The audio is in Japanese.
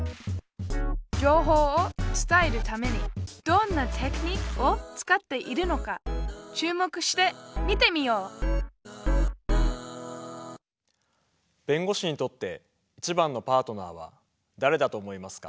情報を伝えるためにどんなテクニックを使っているのか注目して見てみよう弁護士にとっていちばんのパートナーはだれだと思いますか？